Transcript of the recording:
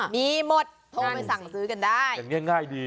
มีหมดโทรไปสั่งซื้อแล้วกันได้ง่ายดี